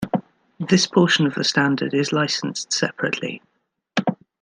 This portion of the standard is licensed separately.